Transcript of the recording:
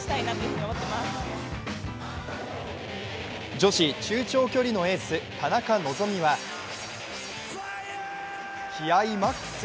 女子中長距離のエース・田中希実は気合いマックス。